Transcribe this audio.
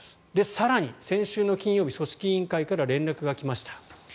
更に先週金曜日組織委員会から連絡が来ました。